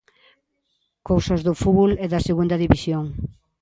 Cousas do fútbol e da Segunda División.